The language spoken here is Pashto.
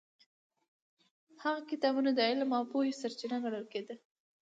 هغه کتابونه د علم او پوهې سرچینه ګڼل.